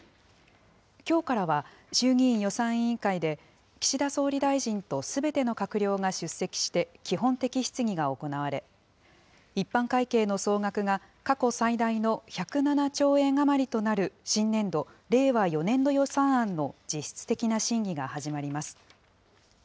きょうからは、衆議院予算委員会で、岸田総理大臣とすべての閣僚が出席して基本的質疑が行われ、一般会計の総額が過去最大の１０７兆円余りとなる新年度・令和４年度予算案の実質的な審議が始まります。